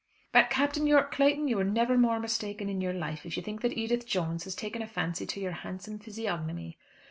"But Captain Yorke Clayton, you were never more mistaken in all your life if you think that Edith Jones has taken a fancy to your handsome physiognomy."